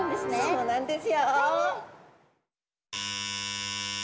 そうなんですよ。